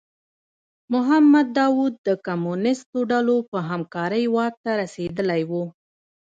محمد داوود د کمونیستو ډلو په همکارۍ واک ته رسېدلی و.